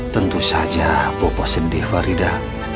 tentu saja boko sedih farida